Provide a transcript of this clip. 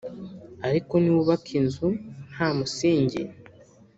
Ariko niwubaka inzu nta musingi